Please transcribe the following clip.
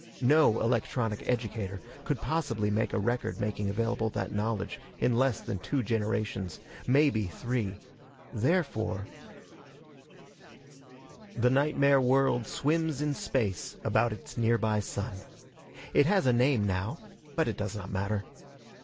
No electronic educator could possibly make a record making available that knowledge in less than two generations maybe three. Therefore The nightmare world swims in space about its nearby sun. It has a name now, but it does not matter.